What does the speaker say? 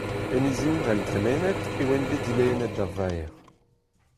E miz Ebrel tremenet e oan bet dilennet da vaer.